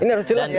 ini harus jelas